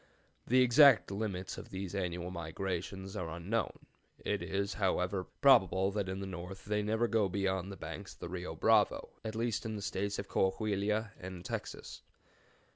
The exact limits of these annual migrations are unknown; it is, however, probable that in the north they never go beyond the banks of the Rio Bravo, at least in the States of Cohahuila and Texas.